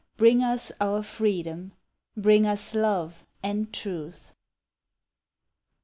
Bring us our freedom bring us love and truth.